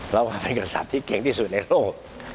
เราว่าเป็นกษัตริย์ที่เก่งที่สุดในโลก